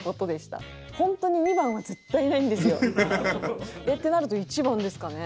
本当に２番は絶対ないんですよ。ってなると１番ですかね？